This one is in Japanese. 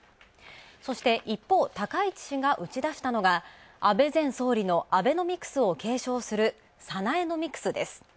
そして、一方、高市氏が打ち出したのは安倍前総理のアベノミクスを継承するサナエノミクスです。